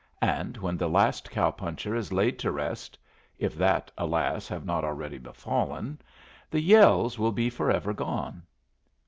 And when the last cow puncher is laid to rest (if that, alas! have not already befallen) the yells will be forever gone.